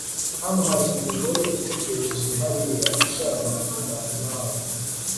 Hano hari umugore utegereje hariya ushaka kuvugana nawe